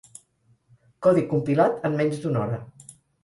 Codi compilat en menys d'una hora.